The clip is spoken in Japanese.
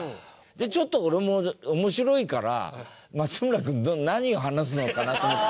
ちょっと俺も面白いから松村君何を話すのかなと思って。